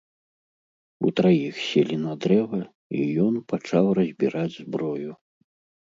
Утраіх селі на дрэва, і ён пачаў разбіраць зброю.